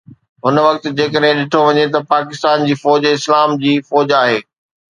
هن وقت جيڪڏهن ڏٺو وڃي ته پاڪستان جي فوج اسلام جي فوج آهي